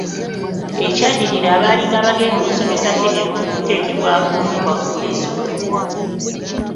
Ekyaddirira abaalinga Bagenda okusomesa Federo kwekuteekebwako obukwakkulizo.